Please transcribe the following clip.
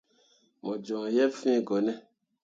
Mo joŋ yeb fee ɓone ?